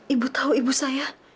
ibu tahu ibu saya